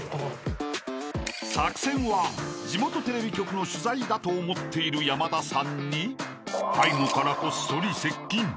［作戦は地元テレビ局の取材だと思っている山田さんに背後からこっそり接近］